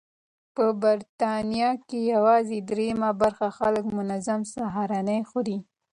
په بریتانیا کې یوازې درېیمه برخه خلک منظم سهارنۍ خوري.